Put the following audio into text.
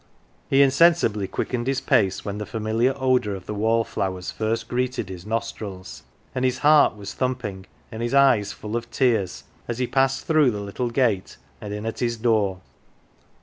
He insensibly quickened his pace when the familiar odour of the wallflowers h'rst greeted his nostrils, and his heart was thumping, and his eyes full of tears, as he passed 135 THE GILLY F'ERS" through the little gate and in at his door.